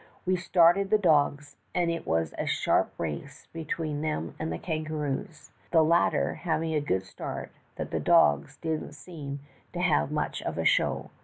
"We started the dogs, and it was a sharp race between them and the kangaroos, the latter hav ing such a good start that the dogs didn't seem to have much of a show.